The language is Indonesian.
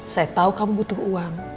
saya tahu kamu butuh uang